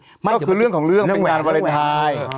ก็คือเรื่องของเรื่องเป็นงานวาเลนไทย